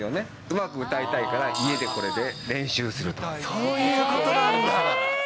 うまく歌いたいから、家でこれでそういうことなんだ。